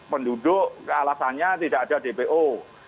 penduduk alasannya tidak ada dpo